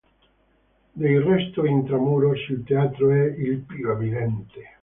Dei resti "intra muros", il teatro è il più evidente.